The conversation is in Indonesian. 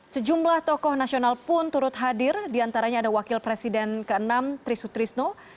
sejumlah tokoh nasional pun turut hadir diantaranya ada wakil presiden ke enam tri sutrisno